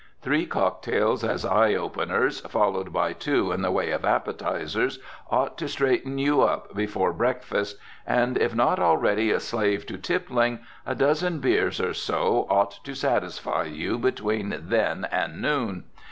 Three cocktails as eye openers, followed by two in the way of appetizers, ought to straighten you up before breakfast, and, if not already a slave to tippling, a dozen beers or so ought to satisfy you between then and noon.